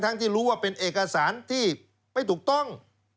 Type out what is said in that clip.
ที่รู้ว่าเป็นเอกสารที่ไม่ถูกต้อง